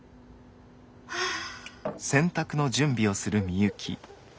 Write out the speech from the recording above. はあ。